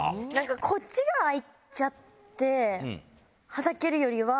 こっちが開いちゃってはだけるよりは。